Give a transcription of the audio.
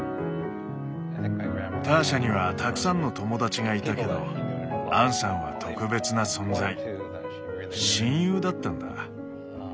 ターシャにはたくさんの友だちがいたけどアンさんは特別な存在親友だったんだ。